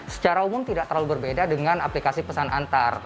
secara umum tidak terlalu berbeda dengan aplikasi pesan antar